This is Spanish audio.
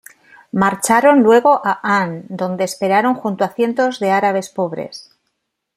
Marcharon luego a Han donde esperaron junto a cientos de árabes pobres.